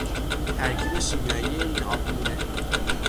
ترکیب شیمیایی این آبگونه